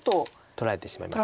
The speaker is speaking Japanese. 取られてしまいます。